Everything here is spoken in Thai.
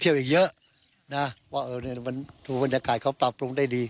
อีกเยอะนะว่าเออเนี่ยมันดูบรรยากาศเขาปรับปรุงได้ดี